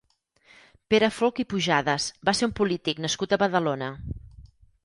Pere Folch i Pujadas va ser un polític nascut a Badalona.